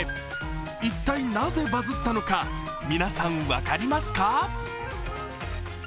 一体なぜバズったのか皆さん分かりますか？